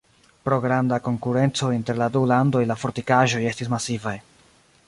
Pro granda konkurenco inter la du landoj la fortikaĵoj estis masivaj.